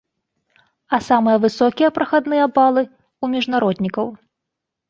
А самыя высокія прахадныя балы ў міжнароднікаў.